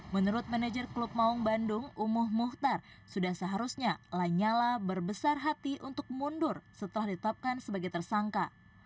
menurut manajer klub maung bandung umuh muhtar sudah seharusnya lanyala berbesar hati untuk mundur setelah ditetapkan sebagai tersangka